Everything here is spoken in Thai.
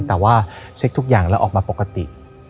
แต่ว่าเช็คทุกอย่างแล้วออกมาปกติ